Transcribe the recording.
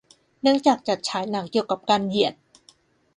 เนื่องจากจัดฉายหนังเกี่ยวกับการเหยียด